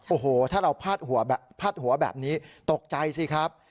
โอ้โหถ้าเราพาดหัวแบบนี้ตกใจสิครับ